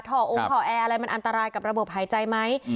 ่อองค์ถ่อแอร์อะไรมันอันตรายกับระบบหายใจไหม